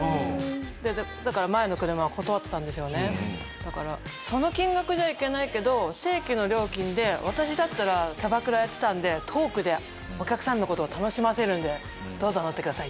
だから「その金額じゃ行けないけど正規の料金で私だったらキャバクラやってたんでトークでお客さんの事を楽しませるんでどうぞ乗ってください」。